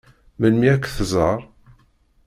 Melmi ad k-tẓeṛ?